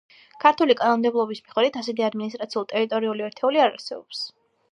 ქართული კანონმდებლობის მიხედვით ასეთი ადმინისტრაციულ-ტერიტორიული ერთეული არ არსებობს.